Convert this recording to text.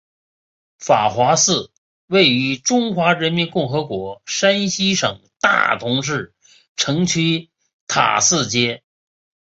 法华寺位于中华人民共和国山西省大同市城区塔寺街。